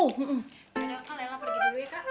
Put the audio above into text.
ya udah kak lella pergi dulu ya kak